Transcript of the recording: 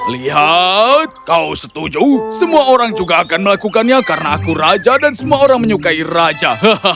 lihat kau setuju semua orang juga akan melakukannya karena aku raja dan semua orang menyukai raja